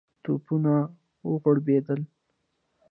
توپونه وغړومبېدل.